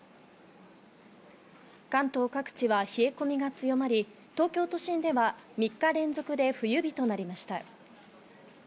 関東各地は冷え込みが強まり、東京都心では３日連続で冬日となりました。